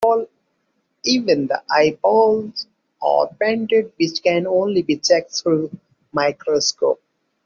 Even the eyeballs are painted, which can only be checked through microscope.